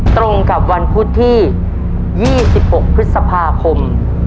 ตรงกับวันพุธที่ยี่สิบหกพฤษภาคม